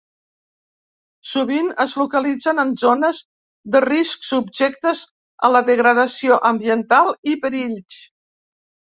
Sovint es localitzen en zones de risc subjectes a la degradació ambiental i perills.